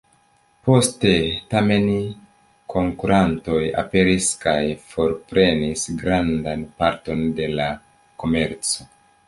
Poste, tamen, konkurantoj aperis kaj forprenis grandan parton de la komerco.